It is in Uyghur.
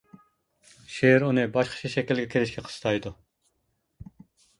شېئىر ئۇنى باشقىچە شەكىلگە كىرىشكە قىستايدۇ.